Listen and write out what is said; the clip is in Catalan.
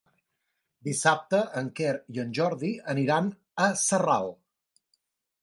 Dissabte en Quer i en Jordi aniran a Sarral.